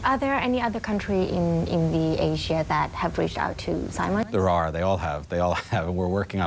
ในอเมริกาที่ได้เข้ามาจากไซมอนต์